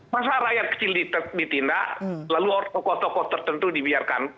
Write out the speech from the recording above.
masa rakyat kecil ditindak lalu tokoh tokoh tertentu dibiarkan